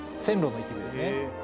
線路の一部ですね。